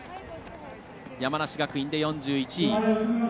山梨学院で４１位。